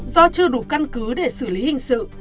do chưa đủ căn cứ để xử lý hình sự